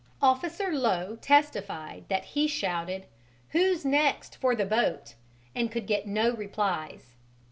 Officer Lowe testified that he shouted, "Who's next for the boat?" and could get no replies.